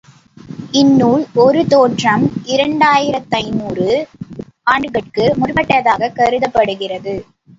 இந்நூல், ஒரு தோற்றம், இரண்டாயிரத்தைந்நூறு ஆண்டுகட்கு முற்பட்டதாகக் கருதப்படுகிறது.